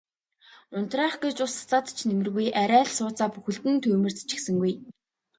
Унтраах гэж ус цацаад ч нэмэргүй арай л сууцаа бүхэлд нь түймэрдчихсэнгүй.